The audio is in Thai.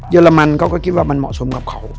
อรมันเขาก็คิดว่ามันเหมาะสมกับเขา